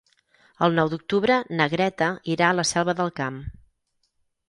El nou d'octubre na Greta irà a la Selva del Camp.